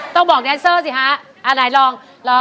แต่ลอง